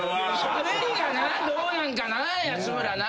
しゃべりがどうなんかな安村な。